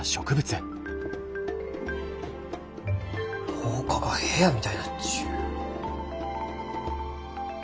廊下が部屋みたいになっちゅう。